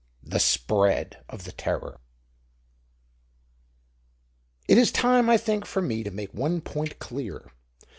The Spread of the Terror It is time, I think, for me to make one point clear.